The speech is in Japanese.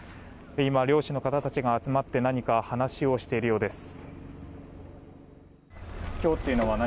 今、漁師の方たちが集まって何か話をしているようです。